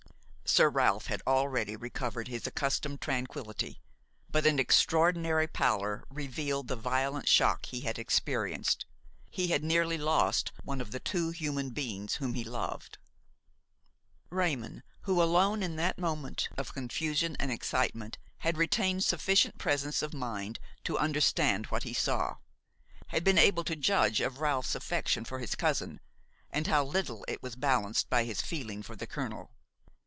Sir Ralph had already recovered his accustomed tranquillity; but an extraordinary pallor revealed the violent shock he had experienced; he had nearly lost one of the two human beings whom he loved. Raymon, who alone, in that moment of confusion and excitement, had retained sufficient presence of mind to understand what he saw, had been able to judge of Ralph's affection for his cousin, and how little it was balanced by his feeling for the colonel.